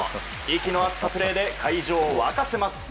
息の合ったプレーで会場を沸かせます。